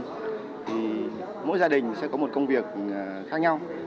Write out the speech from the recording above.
thì mỗi gia đình sẽ có một công việc khác nhau